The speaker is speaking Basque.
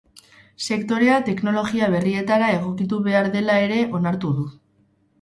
Sektorea teknologia berrietara egokitu behar dela ere onartu du.